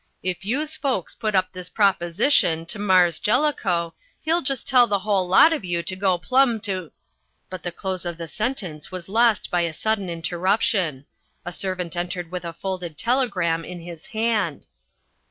If youse folks put up this proposition to Marse Jellicoe, he'll just tell the whole lot of you to go plumb to " But the close of the sentence was lost by a sudden interruption. A servant entered with a folded telegram in his hand.